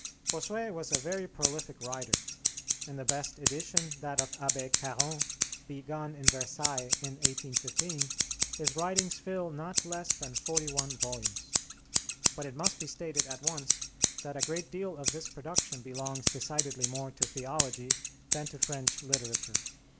Bossuet was a very prolific writer. In the best edition, that of Abbé Caron, begun in Versailles in 1815, his writings fill not less than forty one volumes. But it must be stated at once that a great deal of this production belongs decidedly more to theology than to French literature.